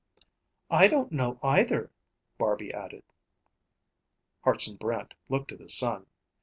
"I don't know, either," Barby added. Hartson Brant looked at his son.